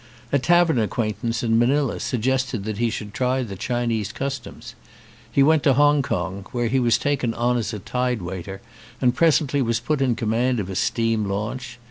A tavern acquaintance in Manila suggested that he should try the Chinese Customs. He went to Hong Kong, where he was taken on as a tide waiter, and presently was put in command of a steam launch.